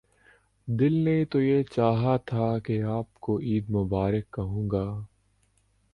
دل نے تو یہ چاہا تھا کہ آپ کو عید مبارک کہوں گا۔